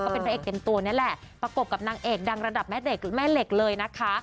เป็นพระเอกเต็มตัวนี่แหละประกบกับนางเอกดังระดับแม่เด็กแม่เหล็กเลยนะคะ